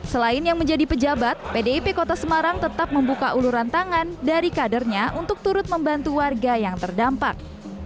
selain yang menjadi pejabat pdip kota semarang tetap membuka uluran tangan dari kadernya untuk turut membantu warga yang terdampak